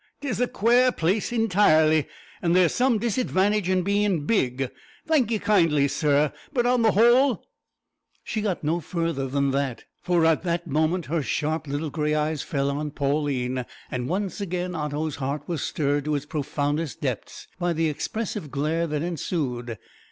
'tis a quare place intirely, and there is some disadvantage in bein' big thank ye kindly, sir but on the whole " She got no further, for at that moment her sharp little grey eyes fell on Pauline, and once again Otto's heart was stirred to its profoundest depths by the expressive glare that ensued.